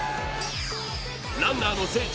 ランナーの聖地